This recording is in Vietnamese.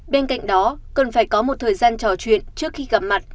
bên cạnh đó cần phải có một thời gian trò chuyện trước khi gặp mặt